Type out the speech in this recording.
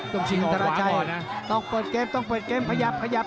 ต้องชิงออกหาก่อนนะต้องเปิดเกมต้องเปิดเกมขยับขยับ